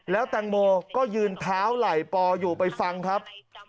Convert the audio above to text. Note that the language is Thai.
แล้วแตงโมก็ยืนเท้าไหล่ปออยู่ไปฟังครับ